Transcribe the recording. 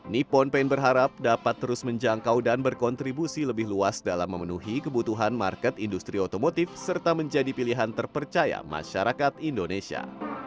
nippon paint berharap dapat terus menjangkau dan berkontribusi lebih luas dalam memenuhi kebutuhan market industri otomotif serta menjadi pilihan terpercaya masyarakat indonesia